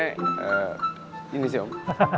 eh ini sih om